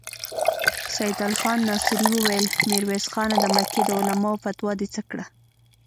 سيدال خان ناصري وويل: ميرويس خانه! د مکې د علماوو فتوا دې څه کړه؟